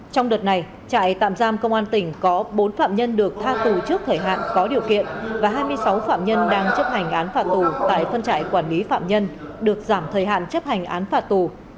trong đợt này trại tạm giam công an tỉnh có bốn phạm nhân được tha tù trước thời hạn có điều kiện và hai mươi sáu phạm nhân đang chấp hành án phạt tù tại phân trại quản lý phạm nhân được giảm thời hạn chấp hành án phạt tù